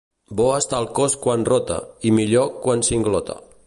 Bo està el cos quan rota, i millor quan singlota.